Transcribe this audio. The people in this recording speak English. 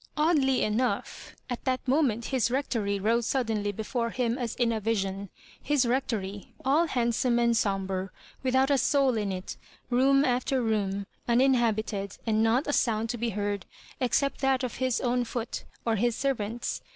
Oddly enough, at that moment his Rec tory rose suddenly before him as in a vision — his Rectory, all handsome and sombre, without a soul in it, room after room^ uninhabited, and not a sound to be heard, except that of his own foot or his servant's.